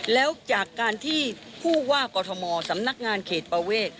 แล้วจากการที่ผู้ว่ากอทมสำนักงานเขตประเวท